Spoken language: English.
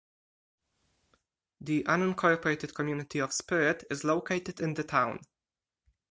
The unincorporated community of Spirit is located in the town.